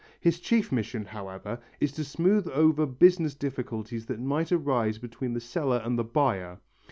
His chief mission, however, is to smooth over business difficulties that might arise between the seller and the buyer.